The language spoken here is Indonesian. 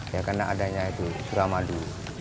ya karena adanya itu suramadu